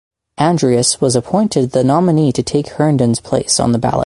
Andrus was appointed the nominee to take Herndon's place on the ballot.